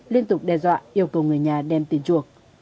liên tục đe dọa yêu cầu người nhà đem tiền chuộc